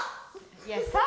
いや「さあ！」